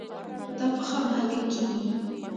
دا په خامه هګۍ کې وي.